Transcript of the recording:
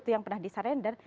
yang pernah disurrender